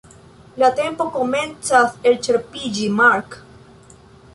La tempo komencas elĉerpiĝi, Mark!